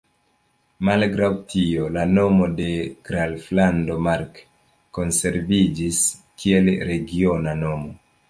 Malgraŭ tio la nomo de Graflando Mark konserviĝis kiel regiona nomo.